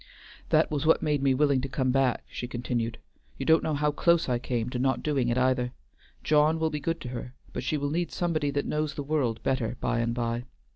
"That was what made me willing to come back," she continued, "you don't know how close I came to not doing it either. John will be good to her, but she will need somebody that knows the world better by and by.